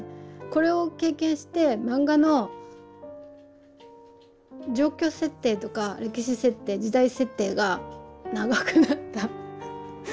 これを経験して漫画の状況設定とか歴史設定時代設定が長くなった。